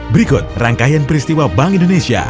berikut rangkaian peristiwa bank indonesia